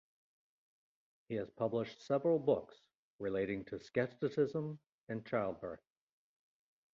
He has published several books relating to scepticism and childbirth.